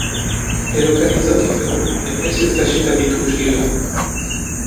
È localizzato in Perù nei pressi della città di Trujillo.